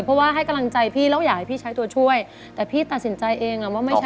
เพราะว่าให้กำลังใจพี่แล้วอยากให้พี่ใช้ตัวช่วยแต่พี่ตัดสินใจเองอ่ะว่าไม่ใช่